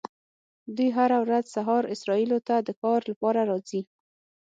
دوی هره ورځ سهار اسرائیلو ته د کار لپاره راځي.